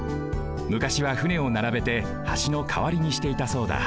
むかしは船をならべて橋のかわりにしていたそうだ。